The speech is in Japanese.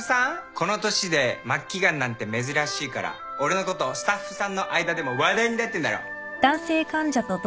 この年で末期がんなんて珍しいから俺のことスタッフさんの間でも話題になってんだろ？